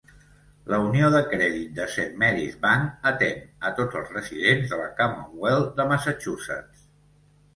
La unió de crèdit de Saint Mary's Bank atén a tots els residents de la Commonwealth de Massachusetts.